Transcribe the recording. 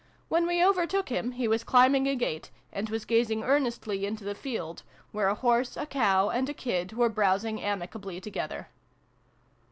When we overtook him he was climbing a gate, and was gazing earnestly into the field, where a horse, a cow, and a kid were browsing amicably together.